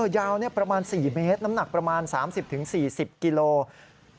ยาวประมาณ๔เมตรน้ำหนักประมาณ๓๐๔๐กิโลกรัม